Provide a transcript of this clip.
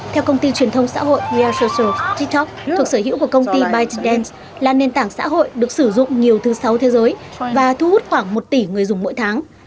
theo công ty truyền thông xã hội real social tiktok thuộc sở hữu của công ty bytedance là nền tảng xã hội được sử dụng nhiều thứ sáu thế giới và thu hút khoảng một tỷ người dùng mỗi tháng